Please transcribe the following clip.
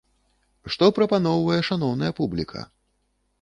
Што прапаноўвае шаноўная публіка?